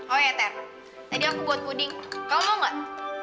oh ya ter tadi aku buat puding kamu mau gak